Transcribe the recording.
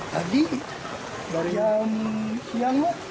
tadi jam siang lho